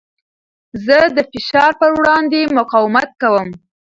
زه د فشار په وړاندې مقاومت کوم.